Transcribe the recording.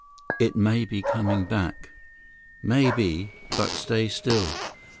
It may be coming back." "Maybe, but stay still.